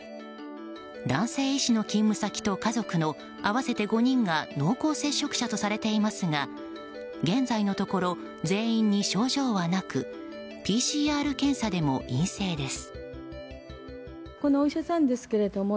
男性医師の勤務先と家族の合わせて５人が濃厚接触者とされていますが現在のところ全員に症状はなくＰＣＲ検査でも陰性です。